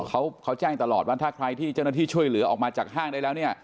เขาแจ้งตลอดว่าถ้าใครที่เจ้าหน้าที่ช่วยเหลือออกมาจากห้างได้แล้วเนี่ย